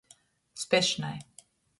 Spešnai.